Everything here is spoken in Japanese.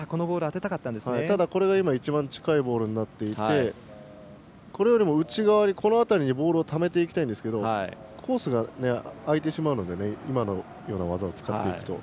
ただ、これが今一番近いボールになっていてこれよりも内側にボールをためていきたいですけどコースが空いてしまうので今のような技を使っていくと。